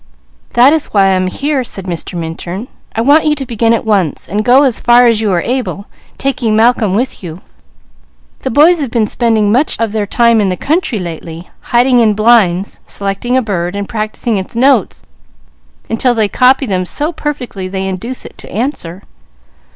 "That is why I am here," said Mr. Minturn. "I want you to begin at once, and go as far as you are able, taking Malcolm with you. The boys have been spending much of their time in the country lately, hiding in blinds, selecting a bird and practising its notes until they copy them so perfectly they induce it to answer.